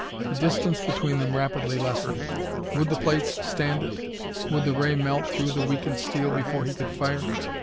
The distance between them rapidly lessened. Would the plates stand it? Would the ray melt through the weakened steel before he could fire?